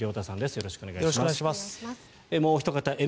よろしくお願いします。